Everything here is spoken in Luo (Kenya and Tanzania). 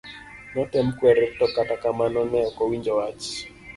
Notem kwere to kata kamano ne okowinjo wach.